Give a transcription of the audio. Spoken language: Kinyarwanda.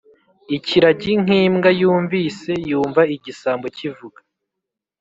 ikiragi nk'imbwa yumvise, yumva igisambo kivuga -